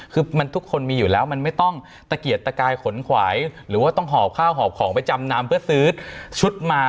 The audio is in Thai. คือมันทุกคนมีอยู่แล้วมันไม่ต้องตะเกียดตะกายขนขวายหรือว่าต้องหอบข้าวหอบของไปจำนำเพื่อซื้อชุดมา